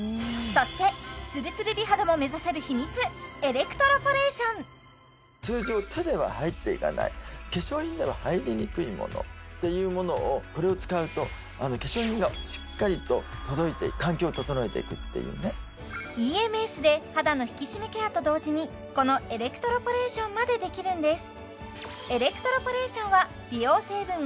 そしてツルツル美肌も目指せる秘密エレクトロポレーション通常手では入っていかない化粧品では入りにくいものっていうものをこれを使うと化粧品がしっかりと届いて環境を整えていくっていうねＥＭＳで肌の引き締めケアと同時にこのエレクトロポレーションまでできるんです